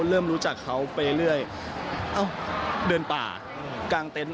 เริ่มรู้จักเขาไปเรื่อยเอ้าเดินป่ากลางเต็นต์